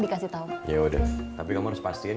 awadahulu sortir rawat'veluarksup